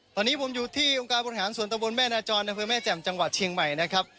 ตอนนี้ผมอยู่ที่องค์การบริหารส่วนตะบนแม่นาจรอำเภอแม่แจ่มจังหวัดเชียงใหม่นะครับ